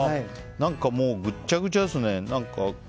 何かもうぐっちゃぐちゃですね。